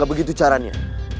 gak begitu caranya